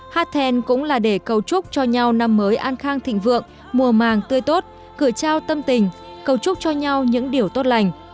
hát then cũng là để cầu chúc cho nhau năm mới an khang thịnh vượng mùa màng tươi tốt cử trao tâm tình cầu chúc cho nhau những điều tốt lành